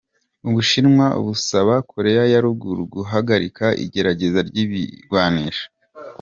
Ubushinwa busaba Korea ya ruguru guhagarika igerageza ry'ibigwanisho.